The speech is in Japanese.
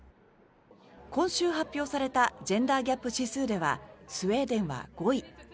今週発表されたジェンダー・ギャップ指数ではスウェーデンは５位。